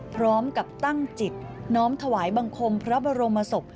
พร้อมกับตั้งจิตน้อมถวายบังคมพระบรมศพ